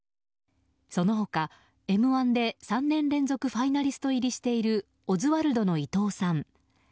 その他、「Ｍ‐１」で３年連続ファイナリスト入りしているオズワルドの伊藤さん